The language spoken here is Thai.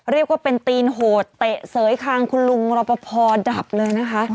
เรียกว่าเป็นตีนโหดเตะเสยคางคุณลุงรอปภดับเลยนะคะ